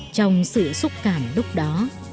trong sự xúc cảm lúc đó